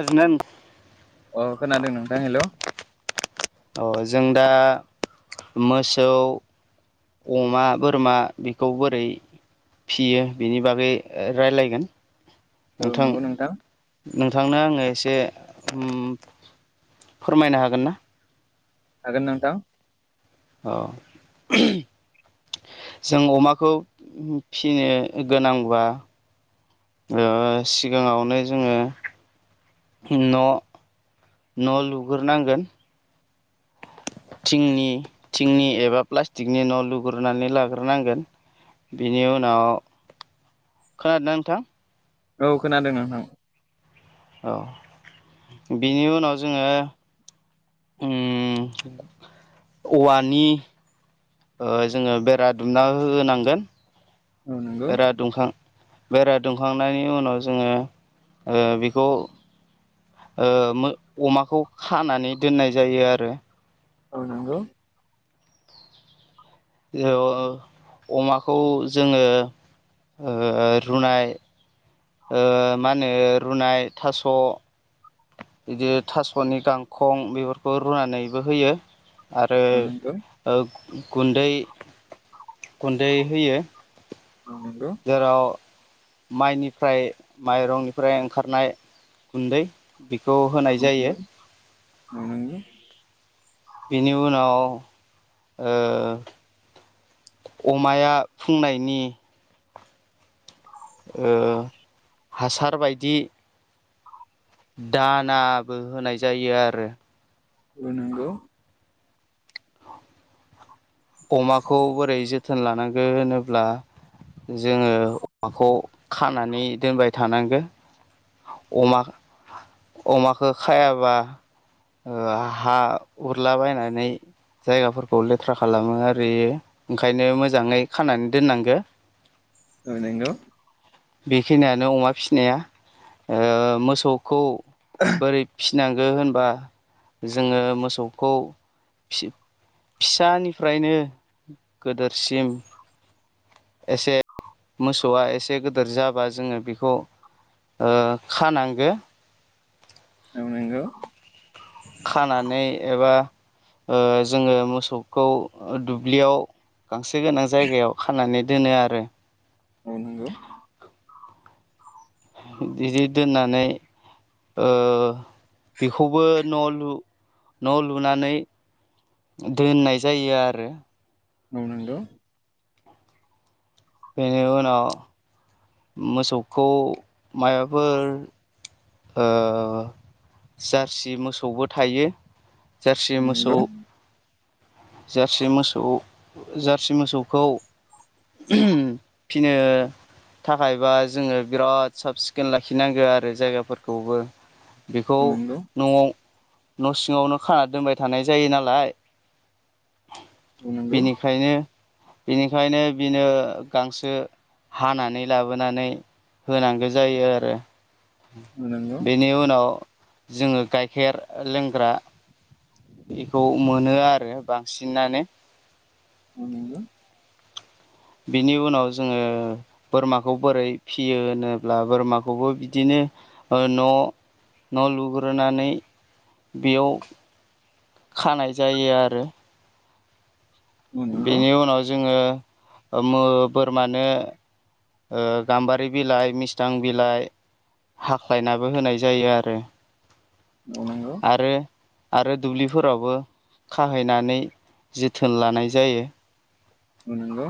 खोनादोंना अ खोनादों नोंथां हेल'। अ जों दा मोसौ। अमा बोरमा बेखौ बोरै फियो बिनि बागै राय्लायगोन। औ नंगौ नोंथां नोंथांनो आङो एसे फोरमायनो हागोन ना? हागोन नोंथां। औ जों अमाखौ फिनो गोनांबब्ला। सिगाङावनो जोङो। न' न' लुग्रोनांगोन। थिंनि थिंनि एबा प्लास्टिकनि न' लुग्रोननानै लाग्रोनांगोन। बेनि उनाव खोनादों नोंथां। औ खोनादों नोंथां। औ बिनि उनाव जोङो औवानि। जोङो बेरा दुमना होनांगोन। औ नंगौ बिराद दुंखां बेरा दुंखांनायनि उनाव जोङो बेखौ अमाखौ खानानै दोननाय जायो आरो। आनांगौ। अमाखौ जोङो ओ रुनाय मा होनो रुनाय थास' बिदि थासप'नि गांखं बेफोरखौ रुनानैबो होयो। आरो औ नंगौ गुन्दै गुन्दै होयो। औ नंगौ जेराव। माइनिफ्राय माइरंनिफ्राय ओंखारनाय गुन्दै। खौ होनाय जायो। अनोंनि। बेनि उनाव। अमाया फुंनायनि। हासार बायदि। दानाबो होनाय जायो आरो। नंगौ। अमाखौ बोरै जोथोन लानांगोन होनोब्ला। जोङो अमाखौ खानानै दोनबाय थानांगोन। अमा अमाखौ खायाबा हा उरलाबायायनानै जायगाफोरखौ लेथ्रा खालामो ओरयो ओंखायनो मोजाङै खानानै दोननांगो [inaudible] नांगौ बेखिनियानो अमा फिसिनाया मोसौखौ बोरै फि फिनांगौ होनबा जोङो मोसौखौ फि फिसानिफ्रायनो गोदोरसिम एसे मोसौआ एसे गो गिदोर जाबा जोङो बेखौ खानांगौ औ नोंगौ खानानै एबा जोङो मोसौखौ दुब्लियाव गांसो गोनां जायगायाव खानानै दोनो आरो औ नंगौ ओ बिदि दोननानै बेखौबो न' न' लुनानै दोननाय जायो आरो ओम नांगौ बेनि उनाव मोसौखौ माबाफोर ओ जारसि मोसौबो थायो जार सि औ मोसौ नंगौ जारसि मोसौ जारसि मोसौखौ फिनो थाखायबा जोङो बिराद साब सिखोन लाखिनांगौ आरो जायगाफोरखौबो बेखौ औ नंगौ औ नंगौ औ नंगौ औ नंगौ औ नंगौ न'आव न' सिङावनो खाना दोनबाय थानाय जायो नालाय औ नंगौ बिनिखायनो बिनिखायनो बिनो गांसो हानानै लाबोनानै होनांगौ जायो आरो बेनि उनाव जोङो गाइखेर लोंग्रा बेखौ मोनो आरो बांसिनानो नंगौ बिनि उनाव जोङो बोरमाखौ बोरै फियो होनोब्ला बोरमाखौबो बिदिनो न' न' लुग्रोनानै बेयाव खानाय जायो आरो बेनि उनाव जोङो बोरमानो ओ गाम्बारि बिलाइ मिस्थां बिलाइ हाख्लायनाबो होनाय जायो आरो औ नंगौ आरो आरो दुब्लिफोरावबो खाहैनानै जोथोन लानाय जायो औ नंगौ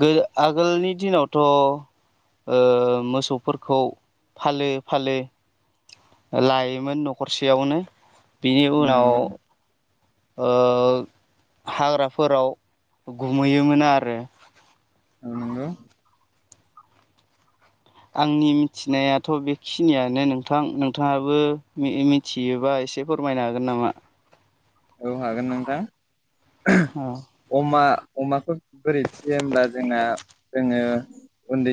गो आगोलनि दिनावथ' ओ मोसौफोरखौ फालो फालो लायोमोन न'खरसेयावनो बिनि उनाव ओ हाग्राफोराव गुमहैयोमोन आरो औ नंगौ आंनि मिथिनायाथ' बेखिनियानो नोंथां नोंथाङाबो मिथिहबाय एसे फोरमायनो हागोन नामा औ हागोन नोंथां औ अमा अमाखौ बोरैथि होमब्ला जोंना जोङो उन्दै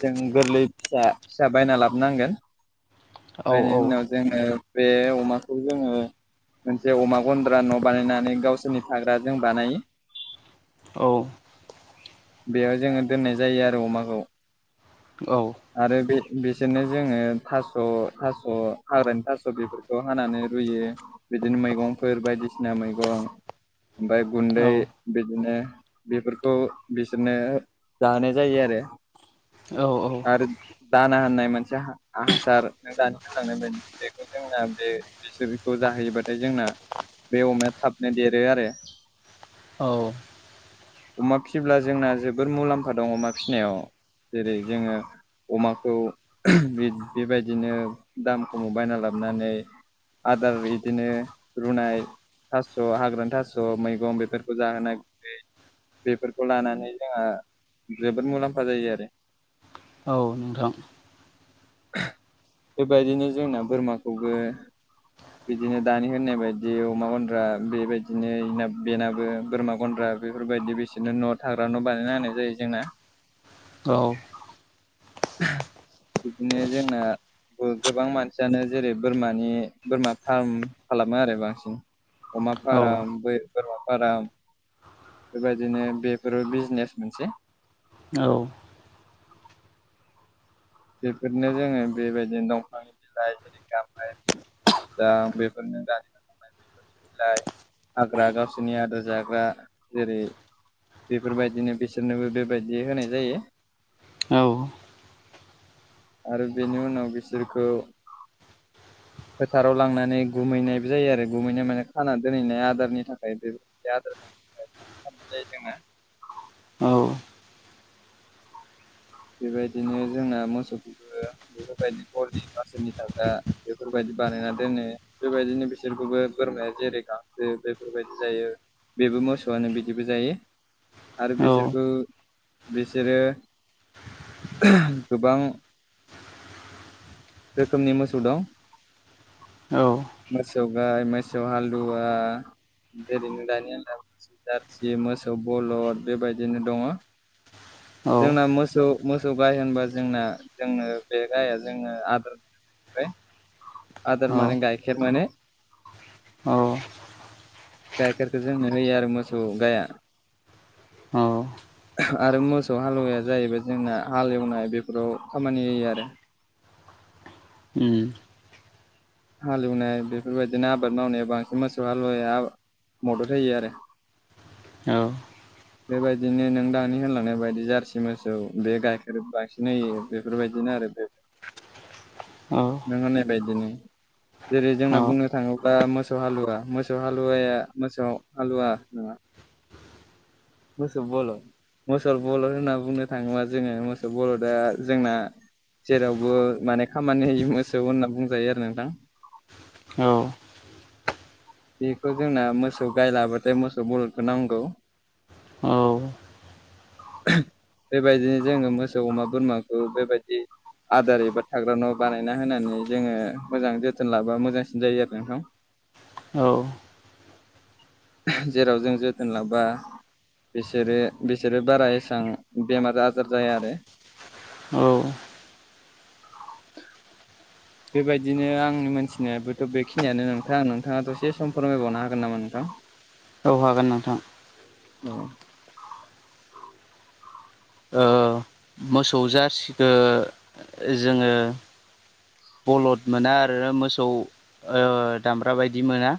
जों गोरलै फिसा फिसा बायना लाबोनांगोन औ बायनायनि उनाव जोङो बे अमाखौ जोङो मोनसे अमा गन्द्रा न' बानायनानै गावसोरनि थाग्रा जों बानायो औ बेयाव जोङो दोननाय जायो आरो अमाखौ औ आरो बे बिसोरनो जोङो थास' थास' हाग्रानि थास' बेफोरखौ हानानै रुयो बिदिनो मैगंफोर बायदिसिना मैगं ओमफफ्राय गुन्दै बिदिनो बेफोरखौ बिसोरनो जाहोनाय जायो आरो औ आरो दाना हा होननाय मोनसे हासार लांनाय बायदि बेखौ जोंना बे बिसोरखौ जाहैयोबाथाय जोंना बे अमाया थाबनो देरो आरो औ अमा फिसिब्ला जोंना जोबोर मुलाम्फा दं अमा फिसिनायाव जेरै जोङो अमाखौ बेबायदिनो दाम खमाव बायना लाबोनानै आदार बिदिनो रुनाय थास' हाग्रानि थास' मैगं बेफोरखौ जाहोनो नागिरै बेफोरखौ लानानै जोंहा जोबोद मुलाम्फा जायो आरो औ नोंथां बेबायदिनो जोंना बोरमाखौबो बिदिनो दानि होननाय बायदि अमा गनन्द्रा बेबायदिनो बेनाबो बोरमा गन्द्रा बेफोरबायदि बिसोरनो न' थाग्रा न' बानायना होनाय जायो जोंना औ। बिदिनो जोंना गोबां मानसियानो जेरै बोरमानि बोरमा फार्म खालामो आरो बांसिन अमा औ फाराम बोरमा फाराम बेबायदिनो बेफोरो बिजनेस मोनसे औ बेफोरनो जोङो बेबायदिनो दंफांनि बिलाइ जेरै गामाइ दा बेफोरनो द बिलाइ हाग्रा गावसोरनि आदार जाग्रा जेरै बेफोरबायदिनो बिसोरनोबो बेबायदि होनाय जायो औ। आरो बेनि उनाव बिसोरखौ [inaudible] बुंथिगिरिनि जेबो खोनानो मोननाय जायाखै फोथाराव लांनानै गुमैनायबो जायो आरो गुमैनाय माने खाना दोनहैनाय आदारनि थाखाय बेबाय आदार जानो थाखाय थ जायदिङा औ बेबायदिनो जोंना मोसौखौबो बेफोरबायदि गलि बिसोरनि थाग्रा बेफोरबायदि बानायना दोनो बेबायदिनो बिसोरखौबो बोरमाया जेरै गांसो बेफोरबायदि जायो बेबो मोसौआनो बिदिबो जायो आरो औ बिसोरखौ बिसोरो गोबां रोखोमनि मोसौ दं औ मोसौ गाय मोसौ हालुवा जेरैनो दानियाद जारसि मोसौ बलद बेबायदिनो दङ औ जोंना मोसौ मोसौ मोसौ गाइ होनबा जोंना जोंनो बे गाइाया जोंनो आदार जफ्राय आदार माने गाइखेर माने गाइखेरखौ जोंनो होयो आरो मोसौ गाया औ। आरो मोसौ हालुवाया जाहैबाय जोंना हाल एवनाय बेफोराव खामानि होयो आरो उम। हालेवनाय बेफोरबायदिनो आबाद मावनायाव बांसिन मोसौ हालुवाया मदद होयो आरो औ बेबायदिनो नों दानि होनलांनाय बायदि जारसि मोसौ बे गाइखेर बांसिन होयो बेफोर बिदिनो आरो [unintelligible] [inaudible] नों होननाय बायदिनो जेरै जोंना बुंनो थाङो बा मोसौ हालुवा मोसौ हालुवाया मोसौ हालुवा नङा मोसौ बलद मोसौ बलद होनना बुंनो थाङोबा जोङो मोसौ बलदा जोंना जेरावबो माने खामानि होयि मोसौ होनना बुंजायो आरो नोंथां। औ बेखौ जोंना मोसौ गाय लाबाथाय मोसौ बलदखौ नांगौ। [inaudible] [unintelligible] बेबायदिनो जोङो मोसौ अमा बोरमाखौ बेबायदि आदार एबा थाग्रा न' बानायना होनानै जोङो मोजां जोथोन लाबा मोजांसिन जायो आरो नोंथां। औ जेराव जों जोथोन लाबा बिसोरो बिसोरो बारा एसां बेमार आजार जाया आरो। औ बेबायदिनो आंनि मोनथिनायाबोथ' बेखिनियानो नोंथां नोंथाङा दसे सम फोरमायबावनो हागोन नामा नोंथां? औ हागोन नोंथां। औ [inaudible] ओ मोसौ जारसिखो जोङो बलद मोना आरो मोसौ ओ दामब्रा बायदि मोना।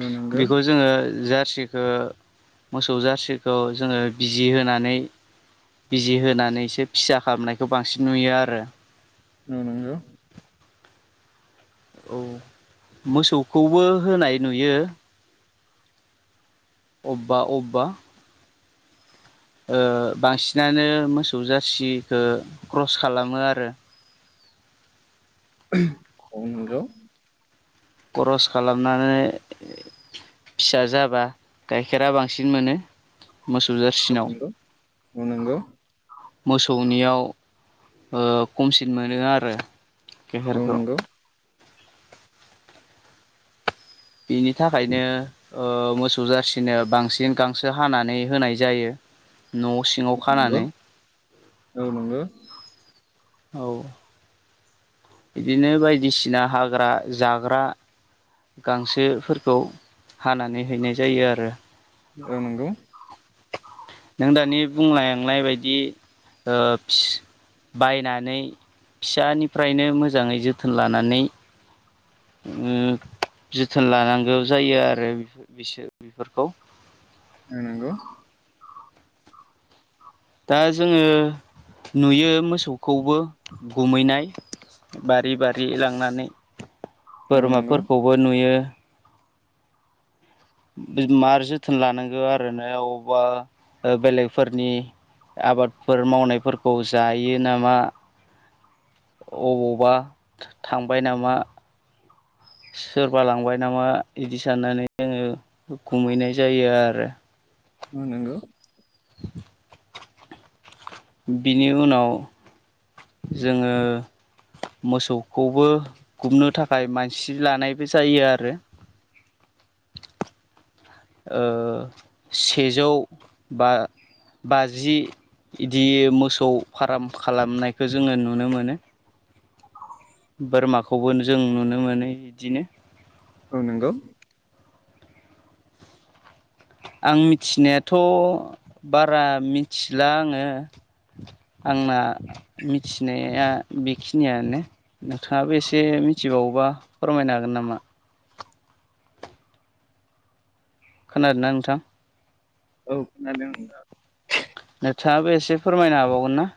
औ नंगौ बेखौ जोङो जा सिखौ मोसौ जारसिखौ जोङो बिजि होनानै बिजि होनानैसो फिसा खामनायखौ बांसिन नुयो आरो‌। औ नोंगौ। औ मोसौखौबो होनाय नुयो। अब्बा अब्बा ओ बांसिनानो मोसौ जारसिखौ क्रस खालामो आरो [unintelligible] औ नंगौ खरस खालामनानै फिसा जाबा गाइखेरा बांसिन मोनो‌। औ नंगौ औ नंगौ मोसौनियाव ओ खमसिन मोनो आरो औ गाइखेरखौ नंगौ बिनि थाखायनो ओ मोसौ जाारसिनो बांसिन गांसो हानानै होनाय जायो। न' सिङाव औ नंगौ खानानै औ नंगौ औ बिदिनो बायदिसिना हाग्रा जाग्रा गांसोफोरखौ हानानै हैनाय जायो आरो ओं नोंगौ नों दानि बुंलायनाय बायदि ओ फिस बायनानै फिसानिफ्रायनो मोजाङै जोथोन लानानै उम जोथोन लानांगौ जायो आरो बिफोर बिसोर बिफोरखौ। औ नोंगौ दा जोङो नुयो मोसौखौबो गुमैनाय‌। बारि बारि लांनानै औ बोरमाफोरखौबो नुयो। मार जोथोन लानांगौ आरो ना अबावबा बेलेगफोरनि आबादफोर मावनायफोरखौ जायो नामा अबावबा थांबाय नामा सोरबा लांबाय नामा बिदि साननानै जोङो गुमहैनाय जायो आरो औ नांगौ बिनि उनाव जोङो मोसौखौबो गुमनो थाखाय मानसि लानायबो जायो आरो [inaudible] ओ सेजौ बा बाजि बिदि मोसौ फार्म खालामनायखौ जोङो नुनो मोनो बोरमाखौबो जों नुनो मोनो बिदिनो औ नंगौ आं मिथिनायाथ' बारा मिथिला आङो आंना मिथिनाया बेखिनियानो नोंथाङाबो एसे मिथिबावोबा फोरमायनो हागोन नामा खोनादोंना नोंथां औ खोनादों नोंथाङाबो एसे फोरमायनो हाबावगोन ना